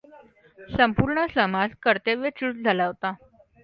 संपूर्ण समाज कर्तव्यच्युत झालेला होता.